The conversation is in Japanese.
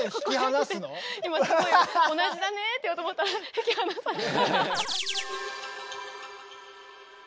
今すごい同じだねって言おうと思ったら引き離された。